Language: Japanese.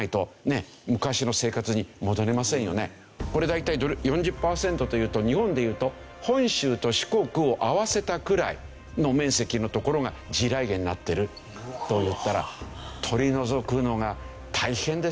これ大体４０パーセントというと日本でいうと本州と四国を合わせたくらいの面積の所が地雷原になってると言ったら取り除くのが大変でしょ？